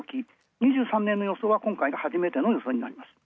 ２３年の予想は今回が初めての予想になります。